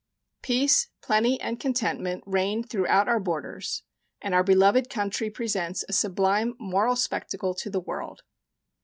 Peace, plenty, and contentment reign throughout our borders, and our beloved country presents a sublime moral spectacle to the world.